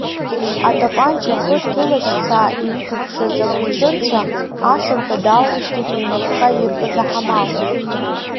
Атапанча ахы ҭылашьцаа инҭаԥшыз акәычырцәа, ашырҳәа дааурышьҭит еимырхха иркыз аҳамал.